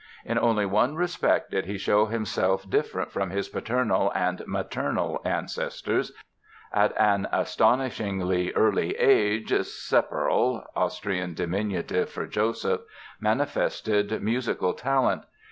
In only one respect did he show himself different from his paternal and maternal ancestors—at an astonishingly early age "Sepperl" (Austrian diminutive for Joseph) manifested musical talent.